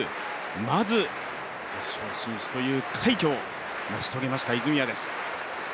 まず決勝進出という快挙を成し遂げました、泉谷です。